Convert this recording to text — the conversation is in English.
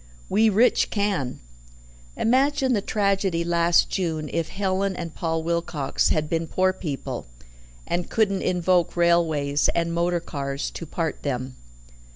We rich can. Imagine the tragedy last June, if Helen and Paul Wilcox had been poor people, and couldn't invoke railways and motor cars to part them."